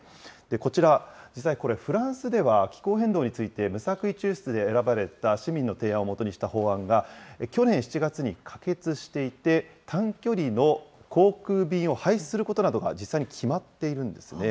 こちら、実際これ、フランスでは気候変動について無作為抽出で選ばれた市民の提案を基にした法案が、去年７月に可決していて、短距離の航空便を廃止することなどが実際に決まっているんですね。